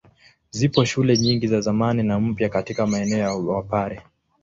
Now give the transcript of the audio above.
Zipo shule nyingi za zamani na mpya katika maeneo ya Wapare.